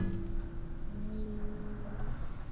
布罗德盖石圈是新石器时代遗迹。